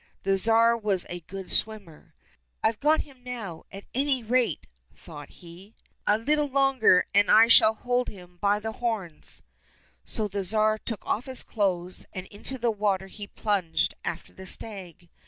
The Tsar was a good swimmer. " I've got him now, at any rate," thought he. "A Httle longer, and I shall hold him by the horns." So the Tsar took off his clothes, and into the water he plunged after the stag.